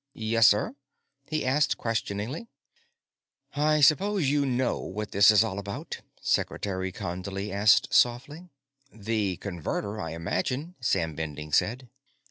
"Yes, sir?" he asked, questioningly. "I suppose you know what this is all about?" Secretary Condley asked softly. "The Converter, I imagine," Sam Bending said.